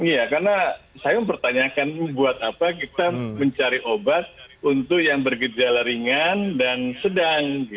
iya karena saya mempertanyakan buat apa kita mencari obat untuk yang bergejala ringan dan sedang